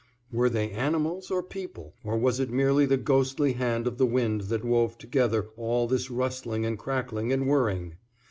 Were they animals, or people, or was it merely the ghostly hand of the wind that wove together all this rustling and crackling and whirring?